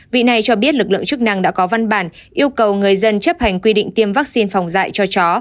vị này cho biết lực lượng chức năng đã có văn bản yêu cầu người dân chấp hành quy định tiêm vaccine phòng dạy cho chó